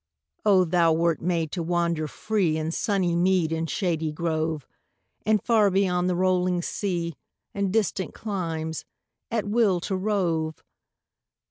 Oh, thou wert made to wander free In sunny mead and shady grove, And far beyond the rolling sea, In distant climes, at will to rove!